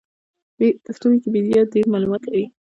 پښتو ويکيپېډيا ډېر معلومات لري.